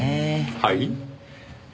はい？